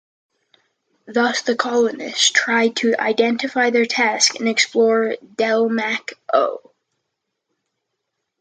Thus, the colonists try to identify their task and explore Delmak-O.